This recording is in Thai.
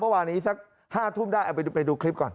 วันวานนี้สัก๕ทุ่มได้ไปดูคลิปก่อน